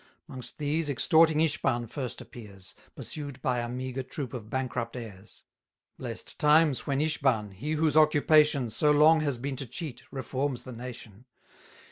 'Mongst these, extorting Ishban first appears, 280 Pursued by a meagre troop of bankrupt heirs. Blest times when Ishban, he whose occupation So long has been to cheat, reforms the nation!